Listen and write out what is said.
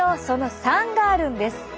その３があるんです。